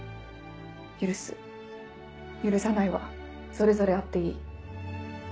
許す許さないはそれぞれあっていい。